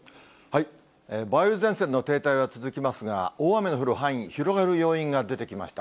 梅雨前線の停滞が続きますが、大雨の降る範囲、広がる要因が出てきました。